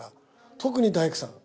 特に大工さん。